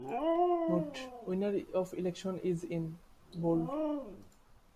"Note: Winner of election is in" bold.